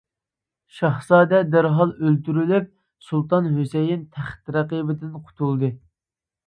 شاھزادە دەرھال ئۆلتۈرۈلۈپ، سۇلتان ھۈسەيىن تەخت رەقىبىدىن قۇتۇلدى.